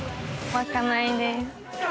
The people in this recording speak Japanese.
まかないです。